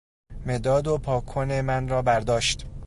مداد و پاککن من را برداشت